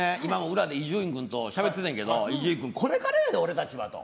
裏で伊集院君としゃべってたんやけどこれからやで、俺たちはと。